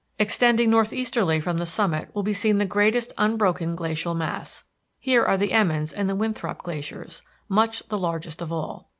Extending northeasterly from the summit will be seen the greatest unbroken glacial mass. Here are the Emmons and the Winthrop Glaciers, much the largest of all.